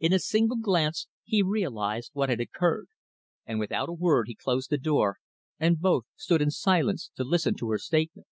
In a single glance he realised what had occurred, and without a word he closed the door, and both stood in silence to listen to her statement.